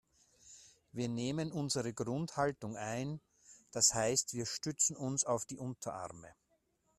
Wir nehmen unsere Grundhaltung ein, das heißt wir stützen uns auf die Unterarme.